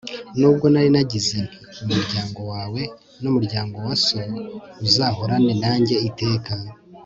n'ubwo nari nagize nti 'umuryango wawe n'umuryango wa so izahorane nanjye iteka'